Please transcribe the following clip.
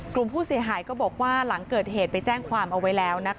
กลุ่มผู้เสียหายก็บอกว่าหลังเกิดเหตุไปแจ้งความเอาไว้แล้ว